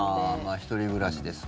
１人暮らしですと。